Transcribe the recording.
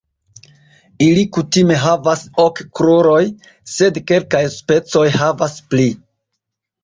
Ili kutime havas ok kruroj, sed kelkaj specoj havas pli.